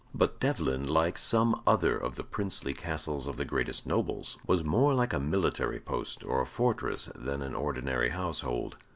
But Devlen, like some other of the princely castles of the greatest nobles, was more like a military post or a fortress than an ordinary household.